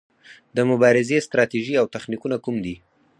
د مبارزې ستراتیژي او تخنیکونه کوم دي؟